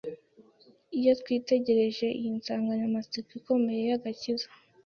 Iyo twitegereje iyi nsanganyamatsiko ikomeye y’agakiza,